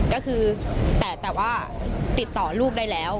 ก็คือแต่ว่าติดต่อลูกได้แล้ว